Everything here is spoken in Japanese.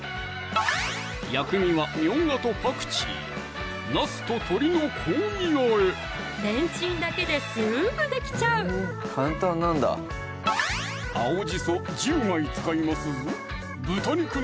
薬味はみょうがとパクチーレンチンだけですぐできちゃう青じそ１０枚使いますぞ